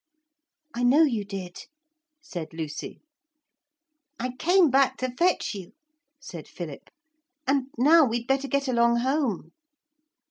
'I know you did,' said Lucy. 'I came back to fetch you,' said Philip, 'and now we'd better get along home.'